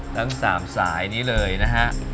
ทั้ง๓สายนี้เลยนะฮะ